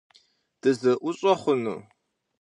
Дызэӏущӏэ хъуну?